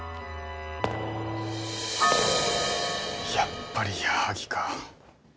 やっぱり矢作か。